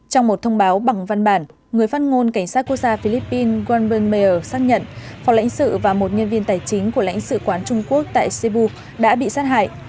trong một thông báo bằng văn bản người phát ngôn cảnh sát quốc gia philippines gualben mayor xác nhận phòng lãnh sự và một nhân viên tài chính của lãnh sự quán trung quốc tại cebu đã bị sát hại